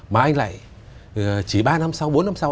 mà anh lại chỉ ba năm sau bốn năm sau